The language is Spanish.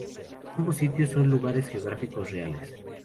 Ambos sitios son lugares geográficos reales.